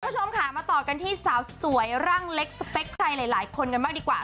คุณผู้ชมค่ะมาต่อกันที่สาวสวยร่างเล็กสเปคใครหลายคนกันบ้างดีกว่า